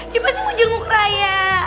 dia masih mau jenguk raya